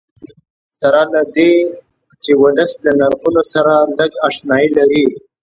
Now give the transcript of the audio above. سره له دې چې ولس له نرخونو سره لږ اشنایي لري.